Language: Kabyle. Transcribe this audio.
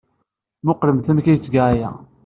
Mmuqlemt amek ay ttgeɣ aya!